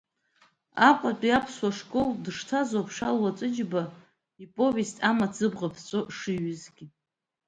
Аҟәатәи аԥсуа школ дышҭаз ауп Шалуа Ҵәыџьба иповест амаҭ зыбӷа ԥҵәоу шиҩызгьы.